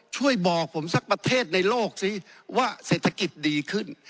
ช่วยบอกผมสักประเทศในโลกซิว่าเศรษฐกิจดีขึ้น